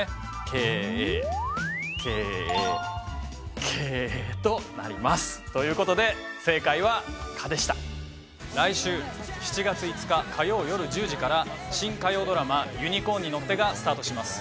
ケーエーケイエイ経営となりますということで正解は蚊でした来週７月５日火曜よる１０時から新火曜ドラマ「ユニコーンに乗って」がスタートします